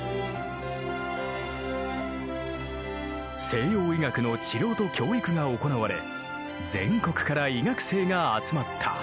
西洋医学の治療と教育が行われ全国から医学生が集まった。